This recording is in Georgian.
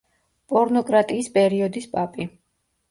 პორნოკრატიის პერიოდის პაპი.